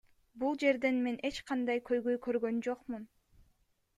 Бул жерден мен эч кандай көйгөй көргөн жокмун.